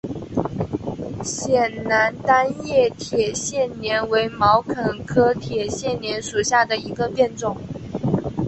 陕南单叶铁线莲为毛茛科铁线莲属下的一个变种。